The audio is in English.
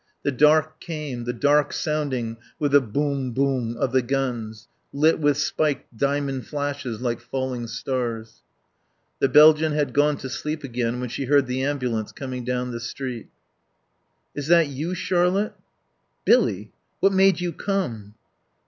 The dark came, the dark sounding with the "Boom Boom" of the guns, lit with spiked diamond flashes like falling stars. The Belgian had gone to sleep again when she heard the ambulance coming down the street. "Is that you, Charlotte?" "Billy ! What made you come?"